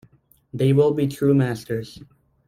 They will be true masters.